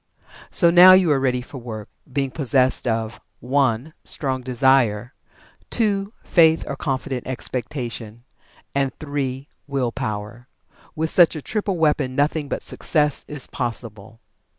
So now you are ready for work, being possessed of (1) Strong Desire; (2) Faith or Confident Expectation; and (3) Will power. With such a triple weapon nothing but Success is possible.